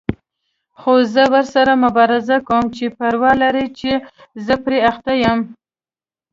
خو زه ورسره مبارزه کوم، څه پروا لري چې زه پرې اخته یم.